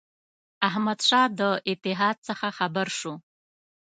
احمدشاه د اتحاد څخه خبر شو.